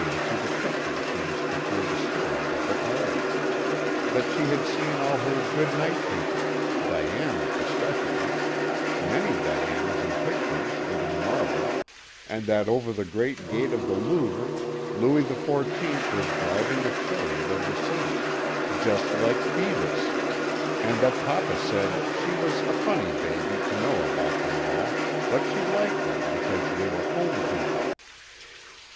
to see the pictures she used to hear the stories of at home ; that she had seen all her " good night people " Diana especially many Dianas in pictures and in marble, and that over the great gate of the Louvre, Louis xiv. was driving the chariot of the sun, just like Phoebus. And that papa said she was " a funny baby " to know about them all, but she liked them because they were home people.